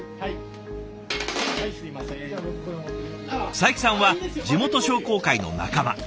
佐伯さんは地元商工会の仲間。